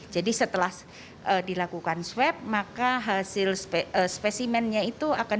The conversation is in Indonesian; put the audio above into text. jadi setelah dilakukan swap maka hasil spesimennya itu akan